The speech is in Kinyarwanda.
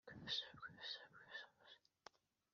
Ishyanga ntibaranshira amakenga,